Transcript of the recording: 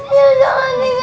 nyak jangan tinggalin saya